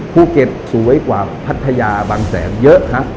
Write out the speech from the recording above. สวยกว่าพัทยาบางแสนเยอะครับ